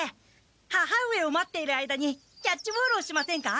母上を待っている間にキャッチボールをしませんか？